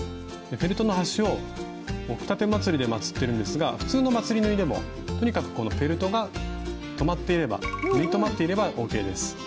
フェルトの端を奥たてまつりでまつってるんですが普通のまつり縫いでもとにかくこのフェルトが留まっていれば縫い留まっていればＯＫです。